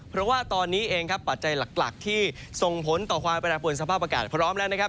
เพราะว่าตอนนี้เองครับปัจจัยหลักที่ส่งผลต่อความแปรปวนสภาพอากาศพร้อมแล้วนะครับ